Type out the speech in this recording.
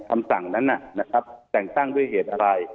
คำสั่งนั้นนะครับแต่งตั้งด้วยเหตุอะไร